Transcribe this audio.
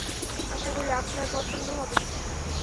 আশা করি আপনার পছন্দ হবে।